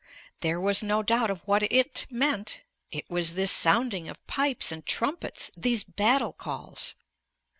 There was no doubt of what "it" meant. It was this sounding of pipes and trumpets; these battle calls.